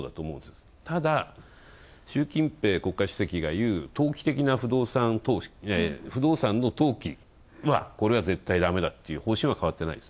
ただ、習近平国家主席がいう投機的な不動産の投機はこれは絶対だめと方針は変わっていない。